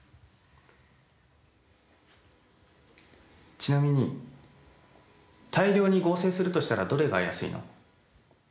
ちなみに大量に合成するとしたらどれが安いの？